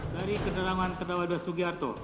dari keterangan terdakwa sugiharto